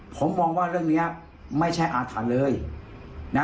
ผมมองว่าเรื่องนี้ไม่ใช่อาถรรพ์เลยนะ